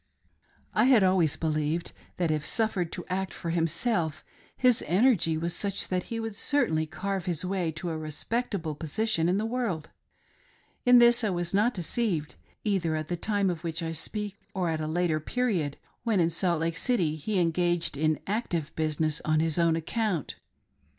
I had always believed that if suffered to act for himself, 'his energy was such that he would certainly carve his way to a respectable position in the world. In this I was not deceived, either at the time of which I speak or at a later period when in Salt Lake City he engaged in active business on his own account.